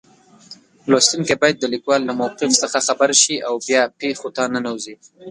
لوستونکی باید د لیکوال له موقف څخه خبر شي او بیا پېښو ته ننوځي.